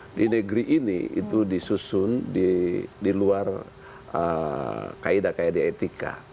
untuk perintahan daerah di negeri ini itu disusun di luar kaedah kaedah etika